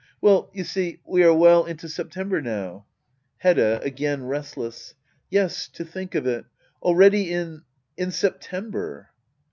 ] Well you see, we are well into September now. Hedda. [Again restless.] Yes, to think of it !— Already in — in September.